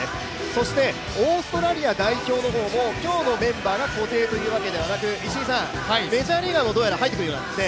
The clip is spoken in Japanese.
そしてオーストラリア代表も、今日のメンバーが固定というわけではなくメジャーリーガーもどうやら入ってくるんですね。